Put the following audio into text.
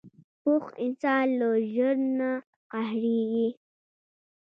پوخ انسان ژر نه قهرېږي